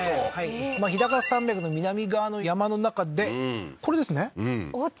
日高山脈の南側の山の中でこれですねおうち？